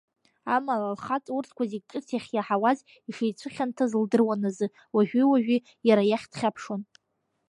Амала лхаҵа урҭқәа зегьы ҿыц иахьиаҳауаз ишицәыхьанҭаз лдыруан азы, уажәи-уажәи иара иахь дхьаԥшуан.